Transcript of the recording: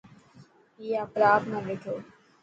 اي آپري آپ نا ڏٺو.